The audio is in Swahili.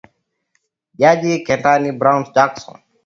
jaji Ketanji Brown Jackson